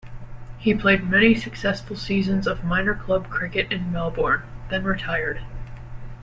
He played many successful seasons of minor club cricket in Melbourne, then retired.